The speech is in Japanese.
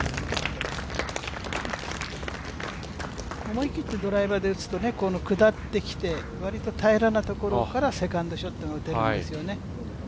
思い切ってドライバーで打つと下ってきて、わりと平らなところからセカンドショットが打てるんですよね。